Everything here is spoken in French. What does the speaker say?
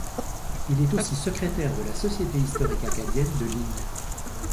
Il est aussi secrétaire de la Société historique acadienne de l'île.